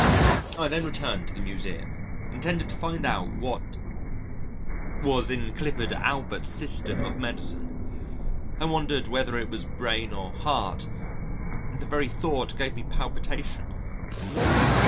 I then returned to the Museum intending to find out what was in Clifford Allbutt's System of Medicine. I wondered whether it was brain or heart; and the very thought gave me palpitation.